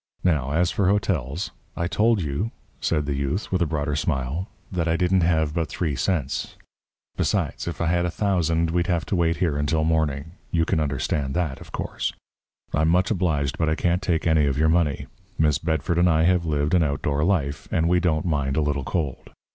Now, as for hotels " "I told you," said the youth, with a broader smile, "that I didn't have but three cents. Besides, if I had a thousand, we'd have to wait here until morning. You can understand that, of course. I'm much obliged, but I can't take any of your money. Miss Bedford and I have lived an outdoor life, and we don't mind a little cold.